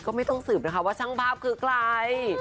ก็ไม่ต้องสืบนะคะว่าช่างภาพคือใคร